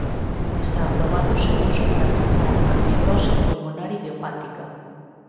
Non está aprobado o seu uso para tratar a fibrose pulmonar idiopática.